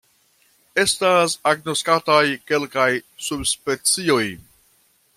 Estas agnoskataj kelkaj subspecioj.